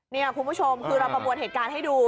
นี่คุณผู้ชมคือเราประมวลเหตุการณ์ให้ดู